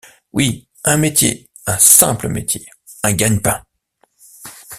Oui! un métier ! un simple métier ! un gagne-pain !